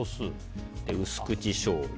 薄口しょうゆ。